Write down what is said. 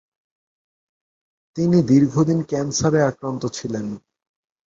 তিনি দীর্ঘদিন ক্যান্সারে আক্রান্ত ছিলেন।